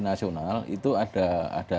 nasional itu ada